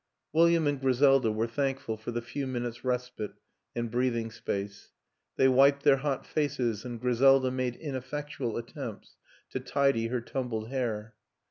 William and Griselda were thankful for the few minutes' respite and breath ing space ; they wiped their hot faces and Griselda made ineffectual attempts to tidy her tumbled hair.